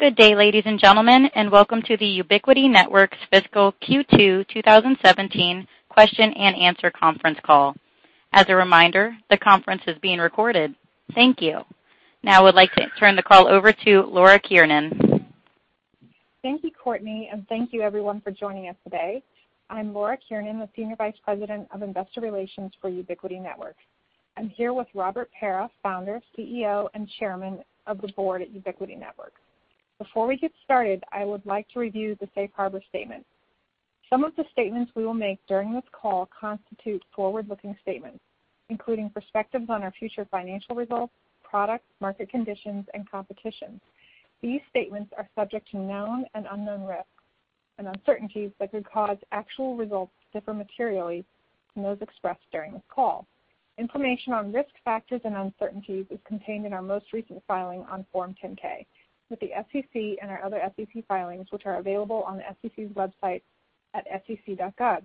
Good day, ladies and gentlemen, and welcome to the Ubiquiti Networks Fiscal Q2 2017 Question and Answer Conference Call. As a reminder, the conference is being recorded. Thank you. Now, I would like to turn the call over to Laura Kiernan. Thank you, Courtney, and thank you, everyone, for joining us today. I'm Laura Kiernan, the Senior Vice President of Investor Relations for Ubiquiti Networks. I'm here with Robert Pera, Founder, CEO, and Chairman of the Board at Ubiquiti Networks. Before we get started, I would like to review the Safe Harbor Statement. Some of the statements we will make during this call constitute forward-looking statements, including perspectives on our future financial results, products, market conditions, and competition. These statements are subject to known and unknown risks, and uncertainties that could cause actual results to differ materially from those expressed during this call. Information on risk factors and uncertainties is contained in our most recent filing on Form 10-K with the SEC and our other SEC filings, which are available on the SEC's website at sec.gov.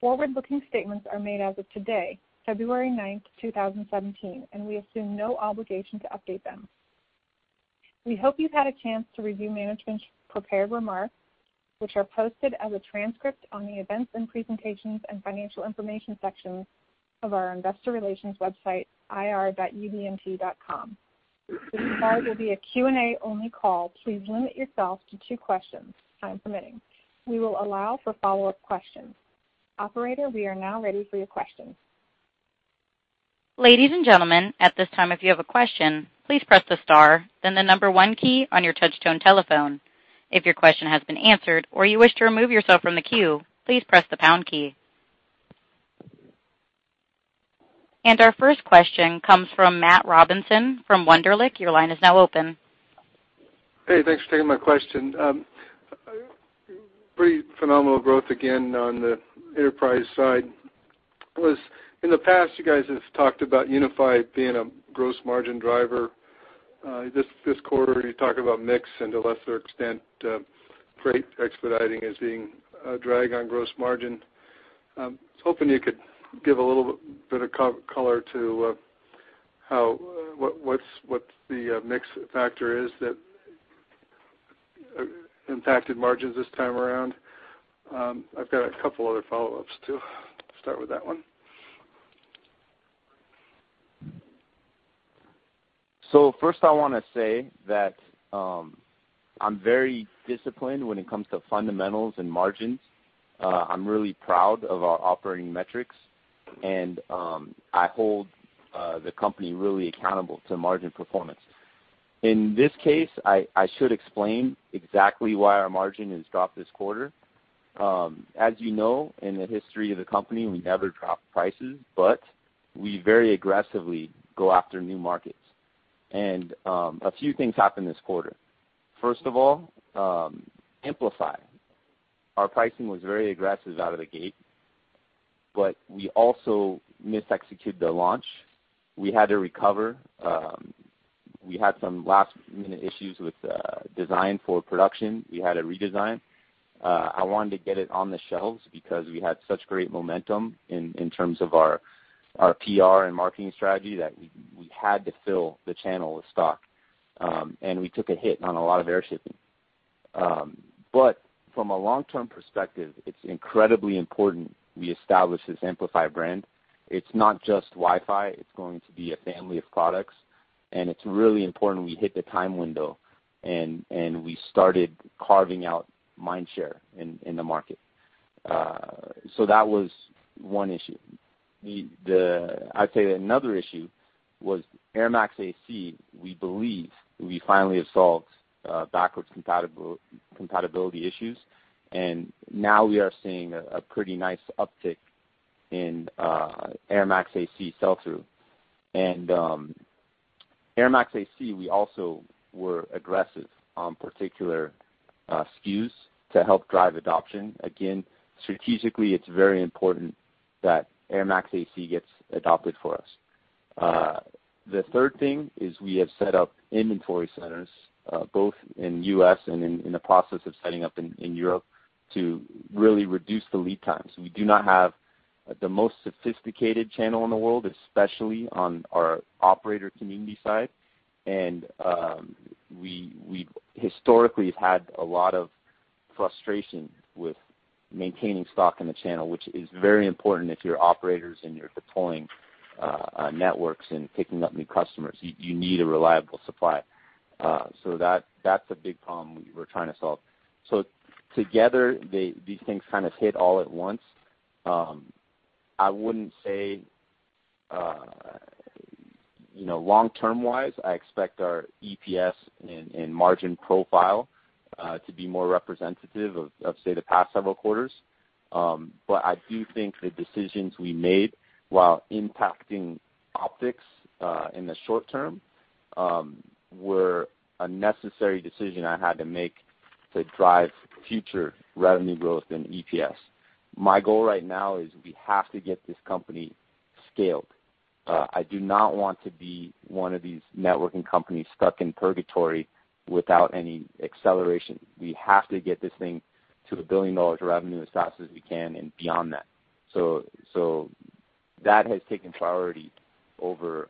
Forward-looking statements are made as of today, February 9, 2017, and we assume no obligation to update them. We hope you've had a chance to review management's prepared remarks, which are posted as a transcript on the Events and Presentations and Financial Information section of our investor relations website, ir.ubnt.com. This call will be a Q&A-only call. Please limit yourself to two questions, if time permitting. We will allow for follow up questions. Operator, we are now ready for your questions. Ladies and gentlemen, at this time, if you have a question, please press the star, then the number one key on your touchtone telephone. If your question has been answered or you wish to remove yourself from the queue, please press the pound key. Our first question comes from Matt Robinson from Wunderlich. Your line is now open. Hey, thanks for taking my question. Pretty phenomenal growth again on the enterprise side. In the past, you guys have talked about UniFi being a gross margin driver. This quarter, you talked about mix and, to a lesser extent, freight expediting as being a drag on gross margin. I was hoping you could give a little bit of color to what the mix factor is that impacted margins this time around. I've got a couple other follow-ups too start with that one. First, I want to say that I'm very disciplined when it comes to fundamentals and margins. I'm really proud of our operating metrics, and I hold the company really accountable to margin performance. In this case, I should explain exactly why our margin has dropped this quarter. As you know, in the history of the company, we never drop prices, but we very aggressively go after new markets. A few things happened this quarter. First of all, Amplify. Our pricing was very aggressive out of the gate, but we also mis-executed the launch. We had to recover. We had some last-minute issues with design for production. We had to redesign. I wanted to get it on the shelves because we had such great momentum in terms of our PR and marketing strategy that we had to fill the channel with stock, and we took a hit on a lot of airshipping. From a long-term perspective, it's incredibly important we establish this Amplify brand. It's not just WiFi. It's going to be a family of products, and it's really important we hit the time window, and we started carving out mindshare in the market. That was one issue. I'd say another issue was airMAX AC. We believe we finally have solved backwards compatibility issues, and now we are seeing a pretty nice uptick in airMAX AC sell-through. airMAX AC, we also were aggressive on particular SKUs to help drive adoption. Again, strategically, it's very important that airMAX AC gets adopted for us. The third thing is we have set up inventory centers, both in the U.S. and in the process of setting up in Europe, to really reduce the lead times. We do not have the most sophisticated channel in the world, especially on our operator community side, and we historically have had a lot of frustration with maintaining stock in the channel, which is very important if you're operators and you're deploying networks and picking up new customers. You need a reliable supply. That is a big problem we're trying to solve. Together, these things kind of hit all at once. I would not say long-term-wise, I expect our EPS and margin profile to be more representative of, say, the past several quarters. I do think the decisions we made while impacting optics in the short term were a necessary decision I had to make to drive future revenue growth in EPS. My goal right now is we have to get this company scaled. I do not want to be one of these networking companies stuck in purgatory without any acceleration. We have to get this thing to a billion-dollar revenue as fast as we can and beyond that. That has taken priority over,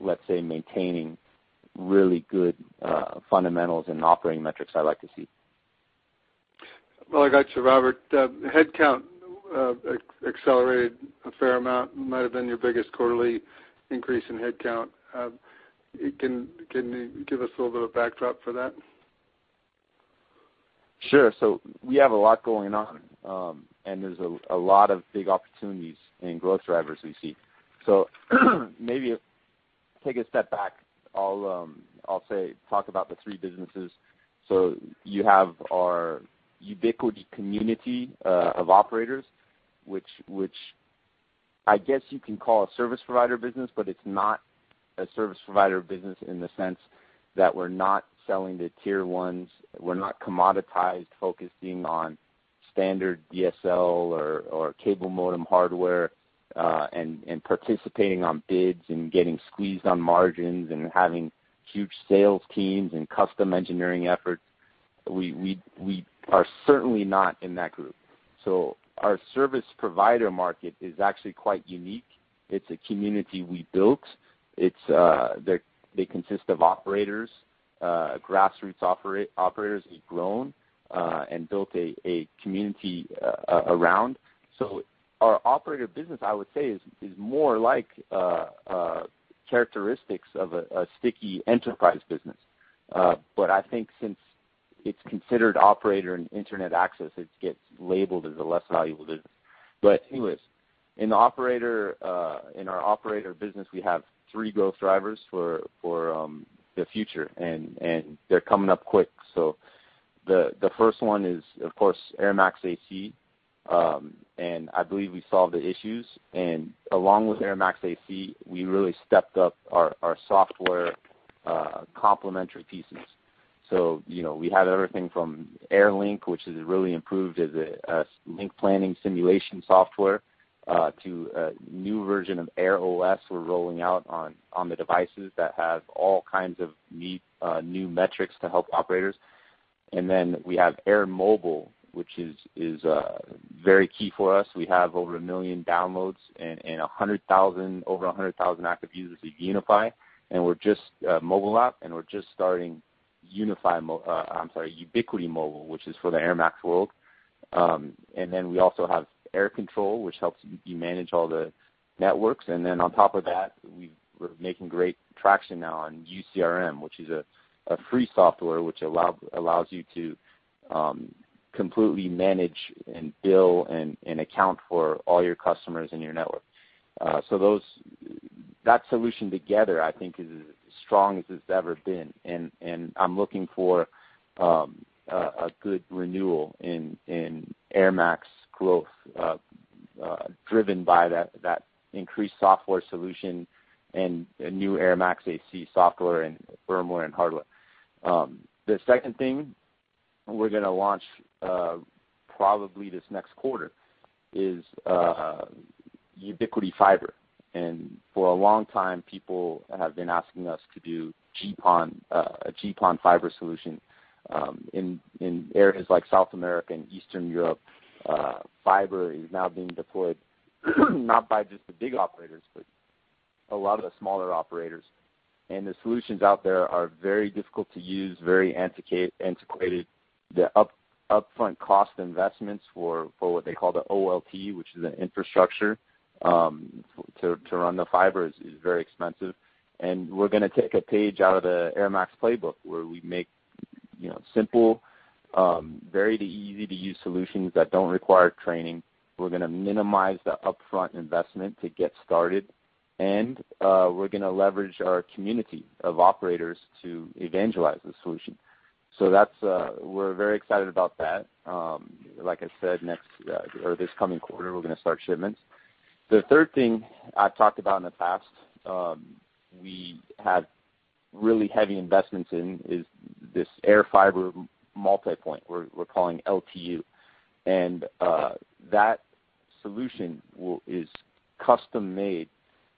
let's say, maintaining really good fundamentals and operating metrics I'd like to see. I got you, Robert. Headcount accelerated a fair amount. It might have been your biggest quarterly increase in headcount. Can you give us a little bit of backdrop for that? Sure. We have a lot going on, and there's a lot of big opportunities and growth drivers we see. Maybe take a step back. I'll talk about the three businesses. You have our Ubiquiti community of operators, which I guess you can call a service provider business, but it's not a service provider business in the sense that we're not selling to tier ones. We're not commoditized focusing on standard DSL or cable modem hardware and participating on bids and getting squeezed on margins and having huge sales teams and custom engineering efforts. We are certainly not in that group. Our service provider market is actually quite unique. It's a community we built. They consist of operators, grassroots operators we've grown and built a community around. Our operator business, I would say, is more like characteristics of a sticky enterprise business. I think since it's considered operator and internet access, it gets labeled as a less valuable business. Anyways, in our operator business, we have three growth drivers for the future, and they're coming up quick. The first one is, of course, airMAX AC, and I believe we solved the issues. Along with airMAX AC, we really stepped up our software complementary pieces. We have everything from Air Link, which has really improved as a link planning simulation software, to a new version of airOS we're rolling out on the devices that have all kinds of new metrics to help operators. We have AirMobile, which is very key for us. We have over a million downloads and over 100,000 active users of UniFi. We're just a mobile app, and we're just starting UniFi—I'm sorry, Ubiquiti Mobile, which is for the airMAX world. We also have airControl, which helps you manage all the networks. On top of that, we're making great traction now on UCRM, which is a free software that allows you to completely manage and bill and account for all your customers and your network. That solution together, I think, is as strong as it's ever been. I'm looking for a good renewal in airMAX growth, driven by that increased software solution and new airMAX AC software and firmware and hardware. The second thing we're going to launch probably this next quarter is Ubiquiti Fiber. For a long time, people have been asking us to do a GPON fiber solution. In areas like South America and Eastern Europe, fiber is now being deployed not by just the big operators, but a lot of the smaller operators. The solutions out there are very difficult to use, very antiquated. The upfront cost investments for what they call the OLT, which is an infrastructure to run the fiber, is very expensive. We are going to take a page out of the airMAX playbook where we make simple, very easy-to-use solutions that do not require training. We are going to minimize the upfront investment to get started, and we are going to leverage our community of operators to evangelize the solution. We are very excited about that. Like I said, this coming quarter, we are going to start shipments. The third thing I have talked about in the past we had really heavy investments in is this air fiber multipoint we are calling LTU. That solution is custom-made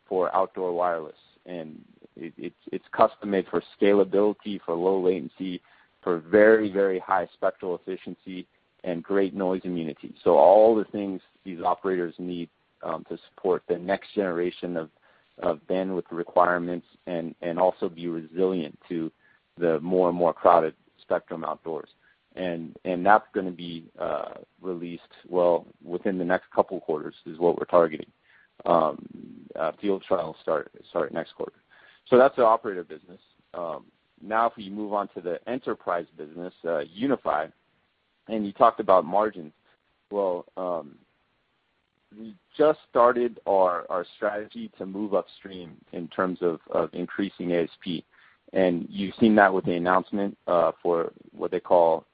for outdoor wireless, and it's custom-made for scalability, for low latency, for very, very high spectral efficiency, and great noise immunity. All the things these operators need to support the next generation of bandwidth requirements and also be resilient to the more and more crowded spectrum outdoors. That's going to be released within the next couple of quarters, is what we're targeting. Field trials start next quarter. That's the operator business. Now, if we move on to the enterprise business, UniFi, and you talked about margins. We just started our strategy to move upstream in terms of increasing ASP. You've seen that with the announcement for what they call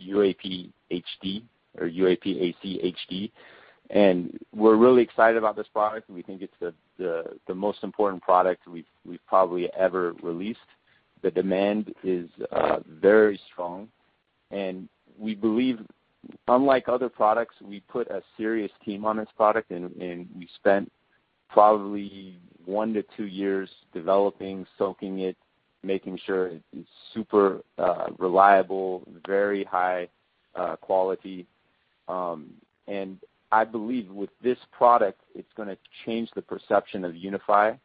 UAP-HD or UAP-AC-HD. We're really excited about this product. We think it's the most important product we've probably ever released. The demand is very strong. We believe, unlike other products, we put a serious team on this product, and we spent probably one to two years developing, soaking it, making sure it's super reliable, very high quality. I believe with this product, it's going to change the perception of UniFi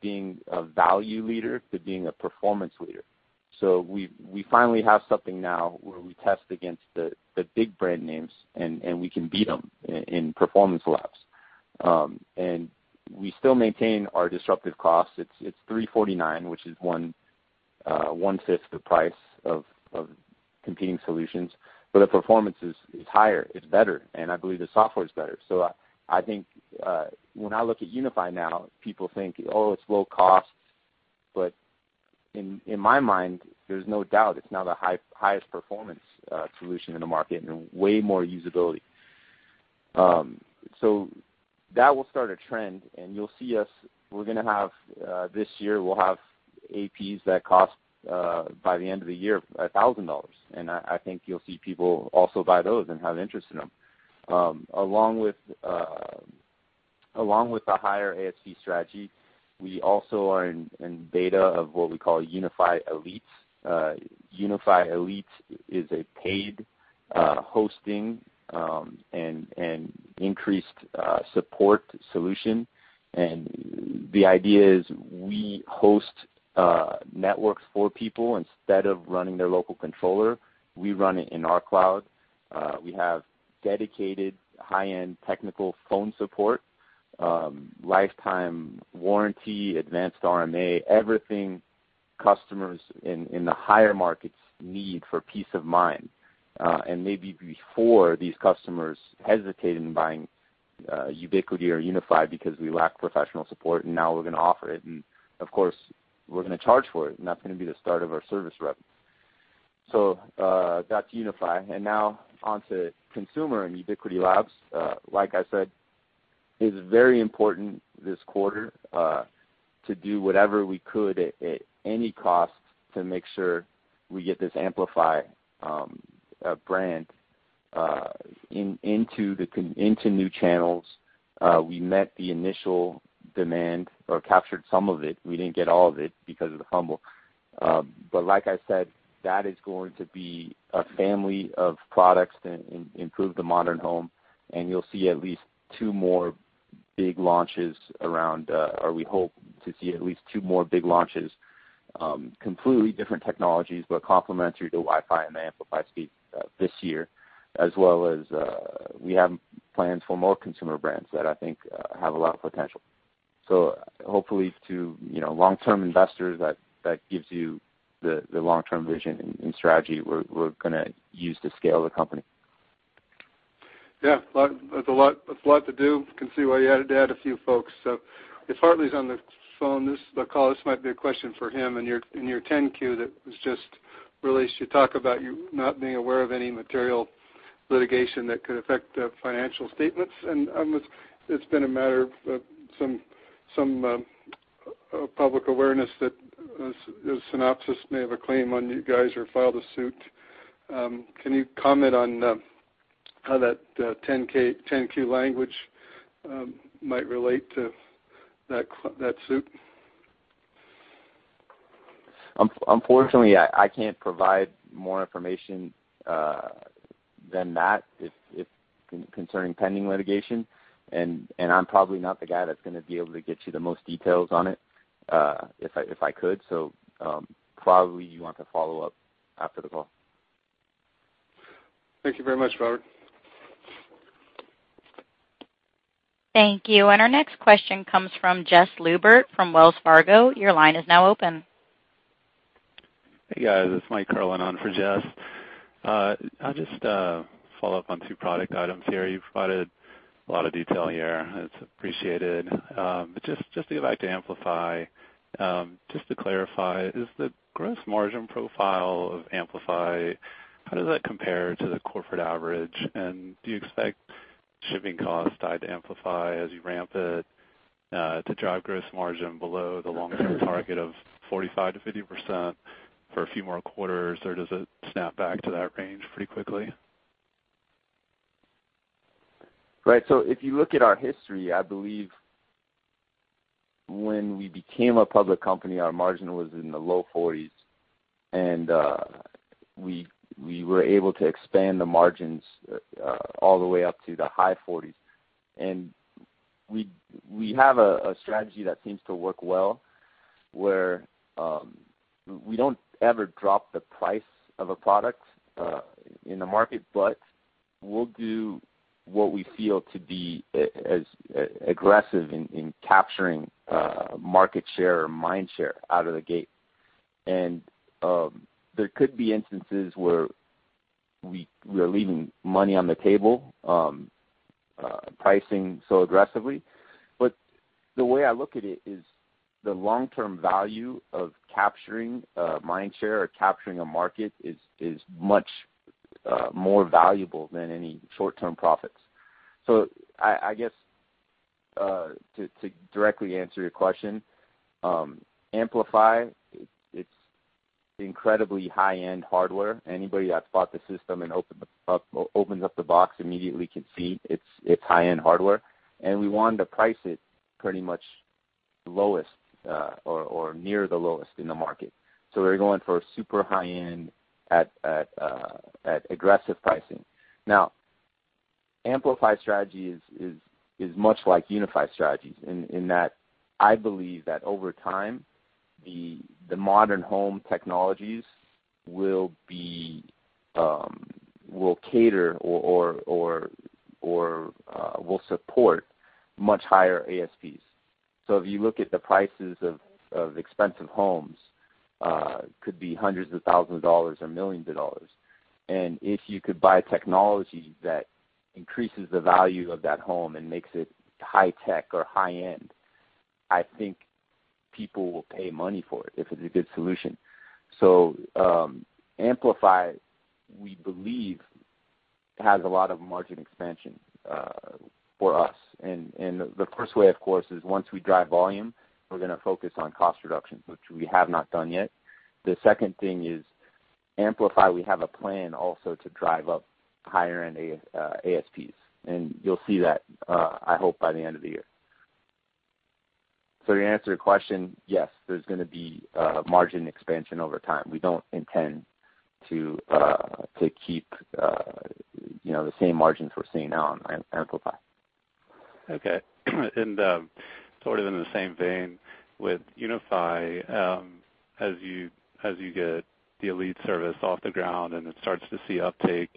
being a value leader to being a performance leader. We finally have something now where we test against the big brand names, and we can beat them in performance laps. We still maintain our disruptive costs. It's $349, which is 1/5 the price of competing solutions, but the performance is higher. It's better, and I believe the software is better. I think when I look at UniFi now, people think, "Oh, it's low cost." In my mind, there's no doubt it's now the highest performance solution in the market and way more usability. That will start a trend, and you'll see us. This year, we'll have APs that cost, by the end of the year, $1,000. I think you'll see people also buy those and have interest in them. Along with the higher ASP strategy, we also are in beta of what we call UniFi Elite. UniFi Elite is a paid hosting and increased support solution. The idea is we host networks for people instead of running their local controller. We run it in our cloud. We have dedicated high-end technical phone support, lifetime warranty, advanced RMA, everything customers in the higher markets need for peace of mind. Maybe before these customers hesitated in buying Ubiquiti or UniFi because we lacked professional support, and now we're going to offer it. Of course, we're going to charge for it, and that's going to be the start of our service revenue. That's UniFi. Now on to consumer and Ubiquiti Labs. Like I said, it's very important this quarter to do whatever we could at any cost to make sure we get this Amplify brand into new channels. We met the initial demand or captured some of it. We didn't get all of it because of the fumble. Like I said, that is going to be a family of products to improve the modern home. You'll see at least two more big launches around, or we hope to see at least two more big launches, completely different technologies, but complementary to WiFi and the Amplify speed this year, as well as we have plans for more consumer brands that I think have a lot of potential. Hopefully, to long-term investors, that gives you the long-term vision and strategy we're going to use to scale the company. Yeah. That's a lot to do. I can see why you added a few folks. If Hartley's on the call, this might be a question for him. In your 10-Q, that was just really to talk about you not being aware of any material litigation that could affect the financial statements. It's been a matter of some public awareness that Synopsys may have a claim on you guys or filed a suit. Can you comment on how that 10-Q language might relate to that suit? Unfortunately, I can't provide more information than that concerning pending litigation. I'm probably not the guy that's going to be able to get you the most details on it if I could. You probably want to follow up after the call. Thank you very much, Robert. Thank you. Our next question comes from Jess Lubert from Wells Fargo. Your line is now open. Hey, guys. It's Mike Carlin on for Jess. I'll just follow up on two product items here. You've provided a lot of detail here. It's appreciated. Just to go back to Amplify, just to clarify, is the gross margin profile of Amplify, how does that compare to the corporate average? Do you expect shipping costs tied to Amplify as you ramp it to drive gross margin below the long-term target of 45%-50% for a few more quarters, or does it snap back to that range pretty quickly? Right. If you look at our history, I believe when we became a public company, our margin was in the low 40s percent, and we were able to expand the margins all the way up to the high 40s percent. We have a strategy that seems to work well where we do not ever drop the price of a product in the market, but we will do what we feel to be as aggressive in capturing market share or mind share out of the gate. There could be instances where we are leaving money on the table, pricing so aggressively. The way I look at it is the long-term value of capturing mind share or capturing a market is much more valuable than any short-term profits. I guess to directly answer your question, Amplify, it is incredibly high-end hardware. Anybody that's bought the system and opens up the box immediately can see it's high-end hardware. We wanted to price it pretty much lowest or near the lowest in the market. We're going for super high-end at aggressive pricing. Now, Amplify's strategy is much like UniFi's strategy in that I believe that over time, the modern home technologies will cater or will support much higher ASPs. If you look at the prices of expensive homes, it could be hundreds of thousands of dollars or millions of dollars. If you could buy technology that increases the value of that home and makes it high-tech or high-end, I think people will pay money for it if it's a good solution. Amplify, we believe, has a lot of margin expansion for us. The first way, of course, is once we drive volume, we're going to focus on cost reduction, which we have not done yet. The second thing is Amplify, we have a plan also to drive up higher-end ASPs. You'll see that, I hope, by the end of the year. To answer your question, yes, there's going to be margin expansion over time. We don't intend to keep the same margins we're seeing now on Amplify. Okay. Sort of in the same vein with UniFi, as you get the Elite service off the ground and it starts to see uptake,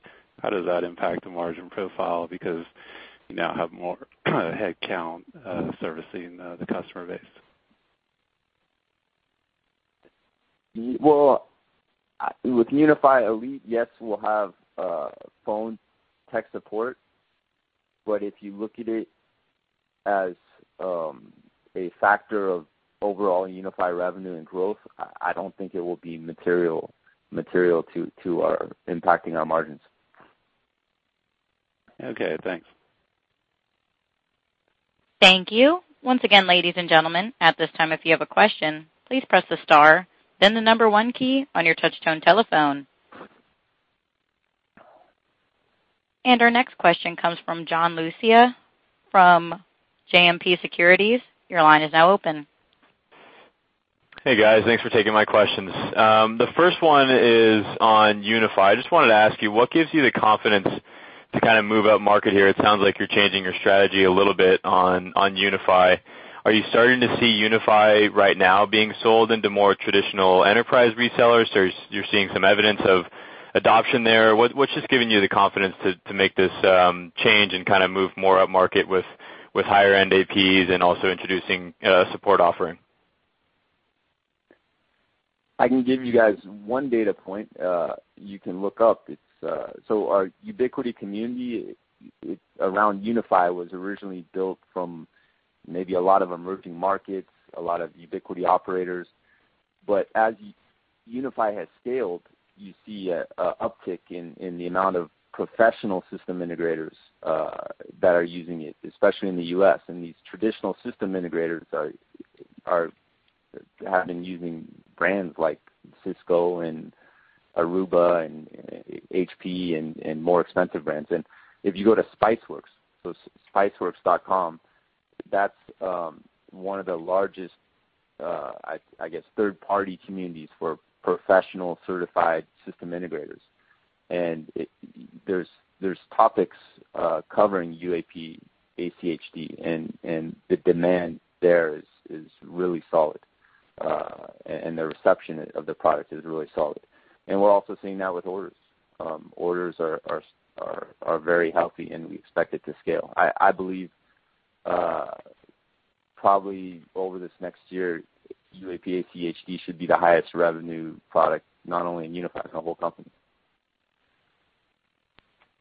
how does that impact the margin profile because you now have more headcount servicing the customer base? With UniFi Elite, yes, we'll have phone tech support. If you look at it as a factor of overall UniFi revenue and growth, I don't think it will be material to impacting our margins. Okay. Thanks. Thank you. Once again, ladies and gentlemen, at this time, if you have a question, please press the star, then the number one key on your touch-tone telephone. Our next question comes from John Lucia from JMP Securities. Your line is now open. Hey, guys. Thanks for taking my questions. The first one is on UniFi. I just wanted to ask you, what gives you the confidence to kind of move up market here? It sounds like you're changing your strategy a little bit on UniFi. Are you starting to see UniFi right now being sold into more traditional enterprise resellers, or you're seeing some evidence of adoption there? What's just giving you the confidence to make this change and kind of move more up market with higher-end APs and also introducing a support offering? I can give you guys one data point. You can look up. Our Ubiquiti community around UniFi was originally built from maybe a lot of emerging markets, a lot of Ubiquiti operators. As UniFi has scaled, you see an uptick in the amount of professional system integrators that are using it, especially in the U.S. These traditional system integrators have been using brands like Cisco and Aruba and HP and more expensive brands. If you go to Spiceworks, so spiceworks.com, that is one of the largest, I guess, third-party communities for professional certified system integrators. There are topics covering UAP AC HD, and the demand there is really solid. The reception of the product is really solid. We are also seeing that with orders. Orders are very healthy, and we expect it to scale. I believe probably over this next year, UAP AC HD should be the highest revenue product, not only in UniFi but in the whole company.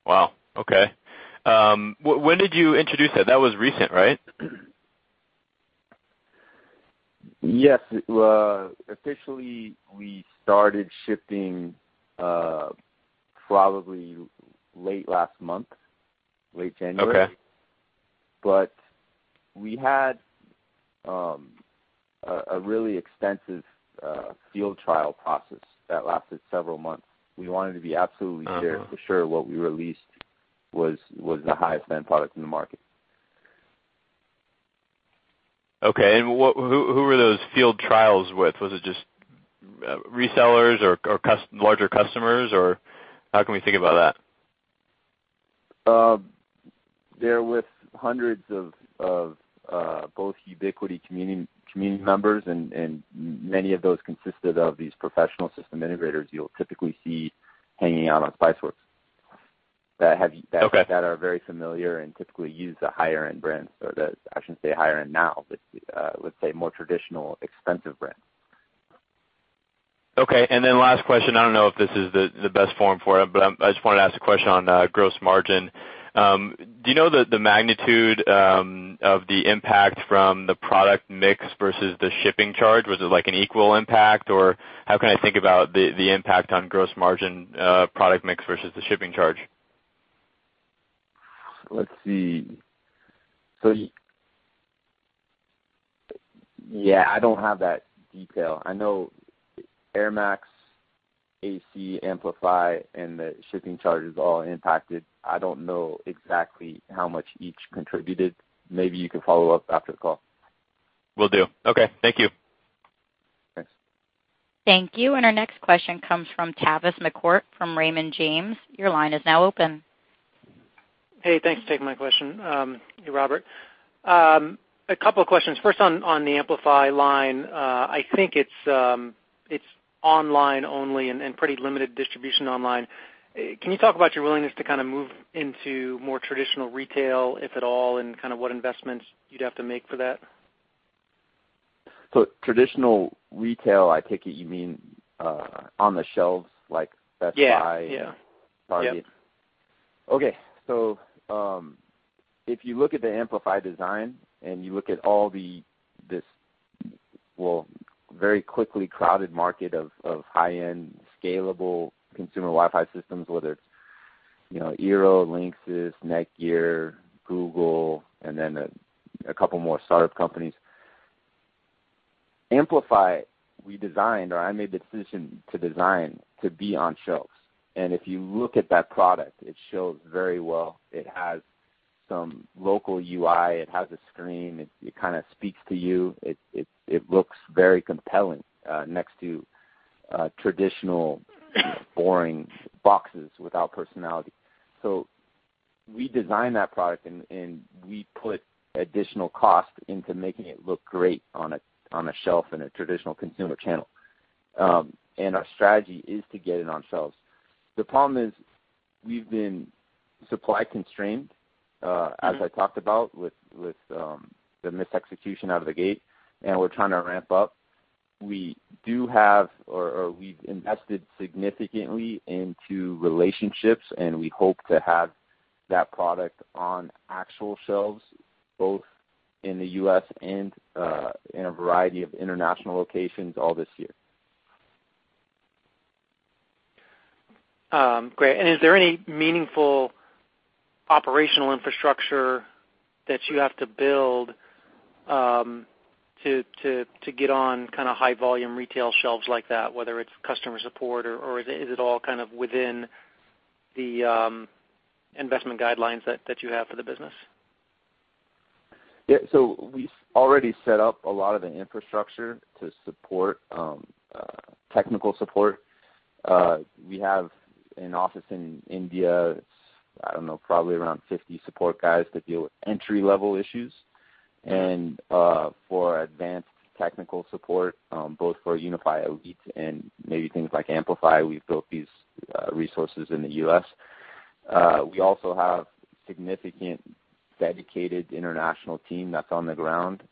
Wow. Okay. When did you introduce it? That was recent, right? Yes. Officially, we started shipping probably late last month, late January. We had a really extensive field trial process that lasted several months. We wanted to be absolutely sure what we released was the highest-end product in the market. Okay. Who were those field trials with? Was it just resellers or larger customers, or how can we think about that? They're with hundreds of both Ubiquiti community members, and many of those consisted of these professional system integrators you'll typically see hanging out on Spiceworks that are very familiar and typically use the higher-end brands. Or I shouldn't say higher-end now, but let's say more traditional, expensive brands. Okay. Last question. I do not know if this is the best form for it, but I just wanted to ask a question on gross margin. Do you know the magnitude of the impact from the product mix versus the shipping charge? Was it an equal impact, or how can I think about the impact on gross margin product mix versus the shipping charge? Let's see. Yeah, I don't have that detail. I know airMAX AC, Amplify, and the shipping charge is all impacted. I don't know exactly how much each contributed. Maybe you can follow up after the call. Will do. Okay. Thank you. Thanks. Thank you. Our next question comes from Tavis McCourt from Raymond James. Your line is now open. Hey, thanks for taking my question, Robert. A couple of questions. First, on the Amplify line, I think it's online only and pretty limited distribution online. Can you talk about your willingness to kind of move into more traditional retail, if at all, and kind of what investments you'd have to make for that? Traditional retail, I take it you mean on the shelves like Best Buy, Target? Yeah. Yeah. Okay. If you look at the Amplify design and you look at all this, well, very quickly crowded market of high-end scalable consumer WiFi systems, whether it's Eero, Linksys, Netgear, Google, and then a couple more startup companies, Amplify, we designed or I made the decision to design to be on shelves. If you look at that product, it shows very well. It has some local UI. It has a screen. It kind of speaks to you. It looks very compelling next to traditional boring boxes without personality. We designed that product, and we put additional cost into making it look great on a shelf in a traditional consumer channel. Our strategy is to get it on shelves. The problem is we've been supply constrained, as I talked about, with the mis-execution out of the gate, and we're trying to ramp up. We do have or we've invested significantly into relationships, and we hope to have that product on actual shelves, both in the U.S and in a variety of international locations all this year. Great. Is there any meaningful operational infrastructure that you have to build to get on kind of high-volume retail shelves like that, whether it is customer support, or is it all kind of within the investment guidelines that you have for the business? Yeah. We have already set up a lot of the infrastructure to support technical support. We have an office in India. It's, I don't know, probably around 50 support guys that deal with entry-level issues. For advanced technical support, both for UniFi Elite and maybe things like Amplify, we have built these resources in the U.S. We also have a significant dedicated international team that's on the ground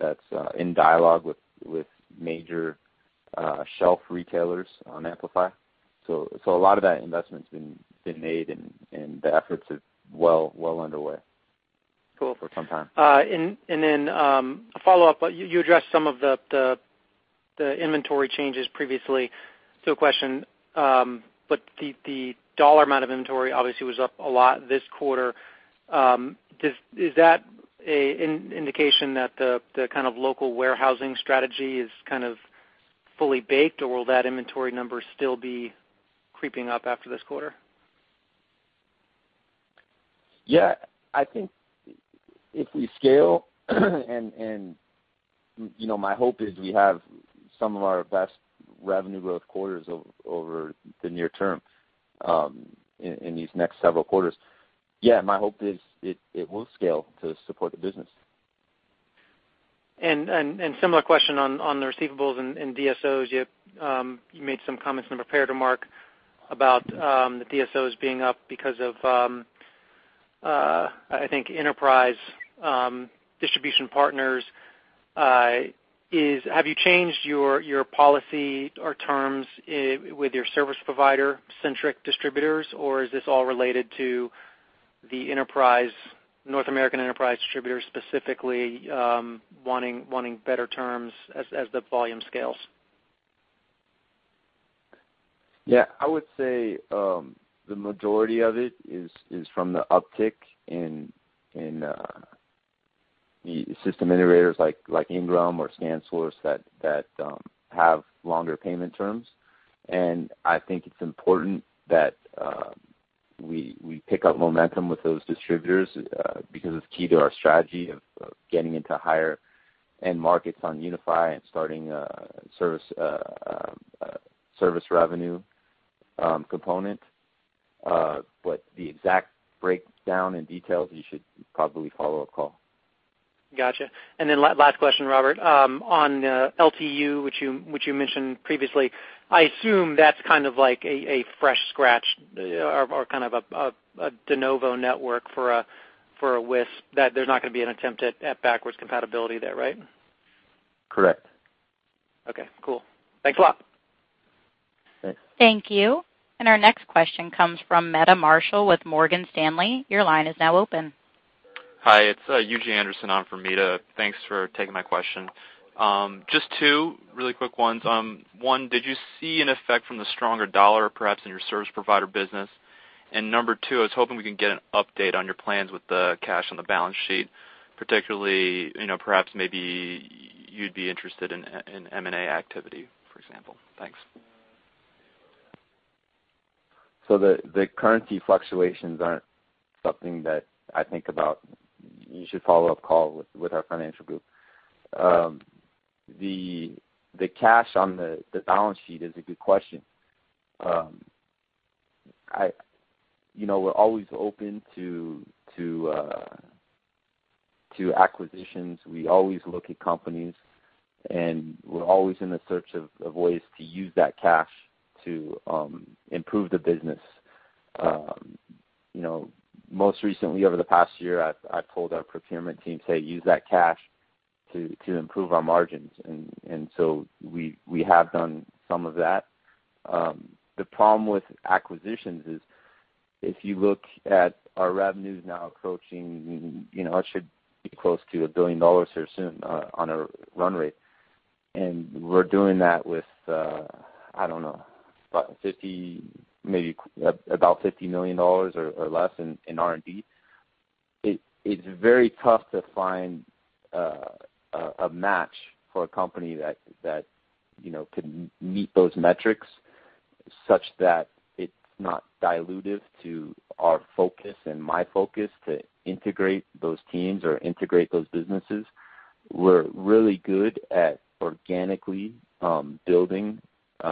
that's in dialogue with major shelf retailers on Amplify. A lot of that investment has been made, and the efforts are well underway for some time. Cool. And then a follow up. You addressed some of the inventory changes previously. A question. The dollar amount of inventory obviously was up a lot this quarter. Is that an indication that the kind of local warehousing strategy is kind of fully baked, or will that inventory number still be creeping up after this quarter? Yeah. I think if we scale, and my hope is we have some of our best revenue growth quarters over the near term in these next several quarters. Yeah, my hope is it will scale to support the business. Similar question on the receivables and DSOs. You made some comments in the preparatory remarks about the DSOs being up because of, I think, enterprise distribution partners. Have you changed your policy or terms with your service provider-centric distributors, or is this all related to the North American enterprise distributors specifically wanting better terms as the volume scales? Yeah. I would say the majority of it is from the uptick in system integrators like Ingram or ScanSource that have longer payment terms. I think it's important that we pick up momentum with those distributors because it's key to our strategy of getting into higher-end markets on UniFi and starting service revenue component. The exact breakdown and details, you should probably follow a call. Got you. Last question, Robert. On LTU, which you mentioned previously, I assume that's kind of like a fresh scratch or kind of a de novo network for a WISP. There's not going to be an attempt at backwards compatibility there, right? Correct. Okay. Cool. Thanks a lot. Thanks. Thank you. Our next question comes from Meta Marshall with Morgan Stanley. Your line is now open. Hi. It's [Eugene Anderson] on for Meta. Thanks for taking my question. Just two really quick ones. One, did you see an effect from the stronger dollar perhaps in your service provider business? Number two, I was hoping we can get an update on your plans with the cash on the balance sheet, particularly perhaps maybe you'd be interested in M&A activity, for example. Thanks. The currency fluctuations are not something that I think about. You should follow up call with our financial group. The cash on the balance sheet is a good question. We are always open to acquisitions. We always look at companies, and we are always in the search of ways to use that cash to improve the business. Most recently, over the past year, I have told our procurement team, "Hey, use that cash to improve our margins." We have done some of that. The problem with acquisitions is if you look at our revenues now approaching, it should be close to a billion dollars here soon on a run rate. We are doing that with, I do not know, about $50 million or less in R&D. It's very tough to find a match for a company that could meet those metrics such that it's not dilutive to our focus and my focus to integrate those teams or integrate those businesses. We're really good at organically building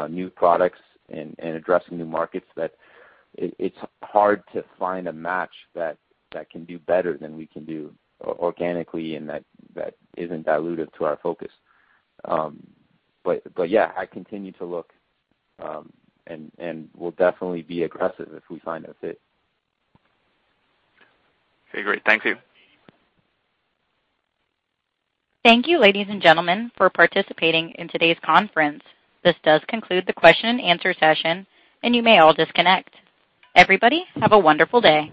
new products and addressing new markets that it's hard to find a match that can do better than we can do organically and that isn't dilutive to our focus. Yeah, I continue to look, and we'll definitely be aggressive if we find a fit. Okay. Great. Thank you. Thank you, ladies and gentlemen, for participating in today's conference. This does conclude the question-and-answer session, and you may all disconnect. Everybody, have a wonderful day.